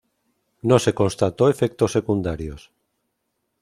No se constató efectos secundarios.